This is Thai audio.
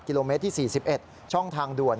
โลเมตรที่๔๑ช่องทางด่วน